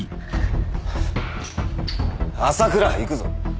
朝倉行くぞ。